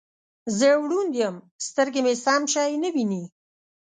زه ړوند یم سترګې مې سم شی نه وینې